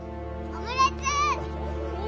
オムレツか。